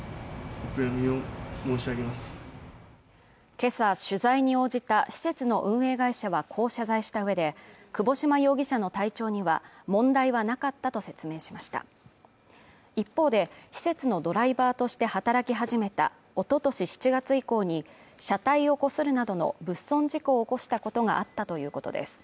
今朝取材に応じた施設の運営会社はこう謝罪したうえで窪島容疑者の体調には問題はなかったと説明しました一方で施設のドライバーとして働き始めたおととし７月以降に車体をこするなどの物損事故を起こしたことがあったということです